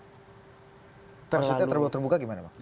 maksudnya terlalu terbuka gimana bang